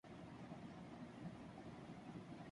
General Zia ul-Haq کے زمانے میں بھی ایسا ہی مسئلہ درپیش ہوا تھا۔